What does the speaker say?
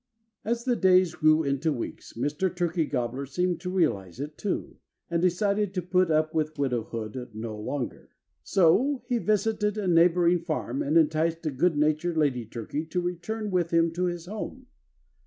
As the days grew into weeks Mr. Turkey Gobbler seemed to realize it, too, and decided to put up with widowhood no longer. So he visited a neighboring farm and enticed a good natured lady turkey to return with him to his home.